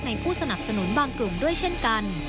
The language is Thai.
ผู้สนับสนุนบางกลุ่มด้วยเช่นกัน